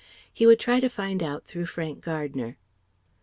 He would try to find out through Frank Gardner.